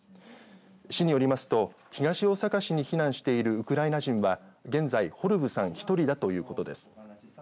市によりますと東大阪市に避難しているウクライナ人は現在、ホルブさん１人だということです。